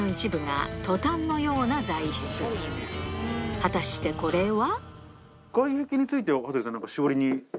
果たしてこれは？